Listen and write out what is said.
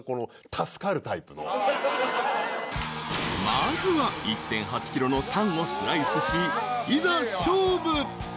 ［まずは１．８ｋｇのタンをスライスしいざ勝負］